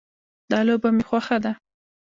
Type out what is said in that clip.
دا لوبه مې خوښه ده